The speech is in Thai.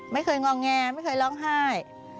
ไม่เคยงอแงไม่เคยร้องไห้